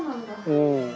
うん。